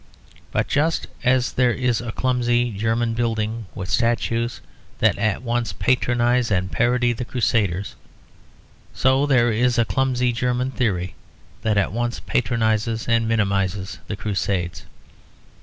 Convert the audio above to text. But just as there is a clumsy German building with statues that at once patronise and parody the Crusaders, so there is a clumsy German theory that at once patronises and minimises the Crusades.